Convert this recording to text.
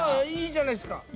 いいじゃないっすか！